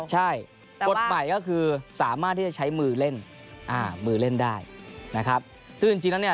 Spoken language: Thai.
กฎหมายก็คือสามารถที่จะใช้มือเล่นอ้าวมือเล่นได้